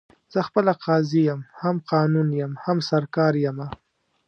زه خپله قاضي یم، هم قانون یم، هم سرکار یمه